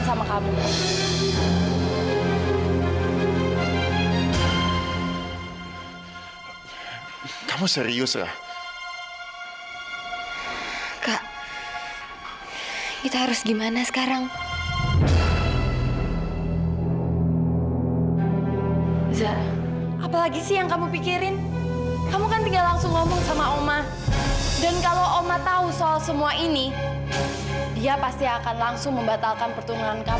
sampai jumpa di video selanjutnya